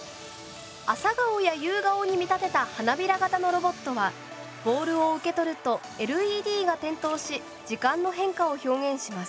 アサガオやユウガオに見立てた花びら型のロボットはボールを受け取るとＬＥＤが点灯し時間の変化を表現します。